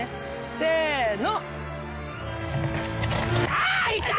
せの。